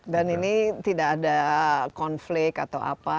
dan ini tidak ada konflik atau apa